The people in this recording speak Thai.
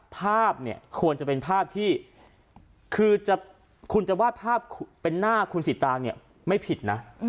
ภาพควรจะเป็นภาพที่คุณจะวาดภาพเป็นหน้าคุณสิตางไม่ผิดนะ